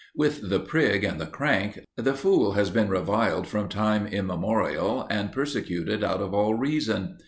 With the prig and the crank, the fool has been reviled from time immemorial, and persecuted out of all reason.